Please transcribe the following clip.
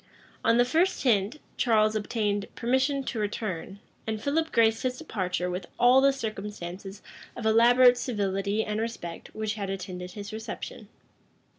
On the first hint, Charles obtained permission to return; and Philip graced his departure with all the circumstances of elaborate civility and respect which had attended his reception.